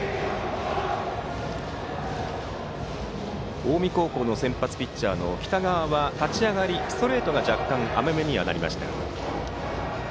近江高校の先発ピッチャーの北川は立ち上がり、ストレートが若干甘めにはなりました。